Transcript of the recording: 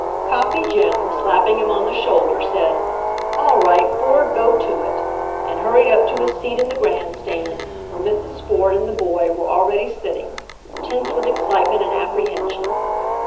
Coffee Jim, slapping him on the shoulder, said, "All right, Ford, go to it !" and hurried up to his seat in the grandstand, where Mrs. Ford and the boy were already sitting, tense with excitement and apprehension.